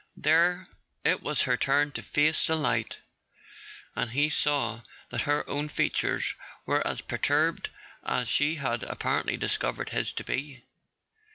There it was her turn to face the light, and he saw that her own features were as per¬ turbed as she had apparently discovered his to be.